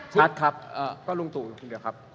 ชัดครับก็ลุงตู่อยู่คนเดียวครับ